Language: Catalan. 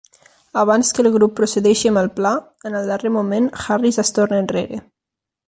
Abans que el grup procedeixi amb el pla, en el darrer moment Harris es torna enrere.